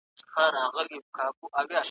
د ټولني ستونزې بايد حل سي.